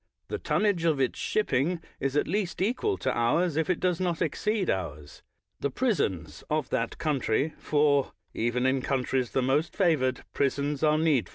The tonnage of its shipping is at least equal to ours, if it does not exceed ours. The prisons of that country — for, even in coun tries the most favored, prisons are needful — federate commissioners to Europe.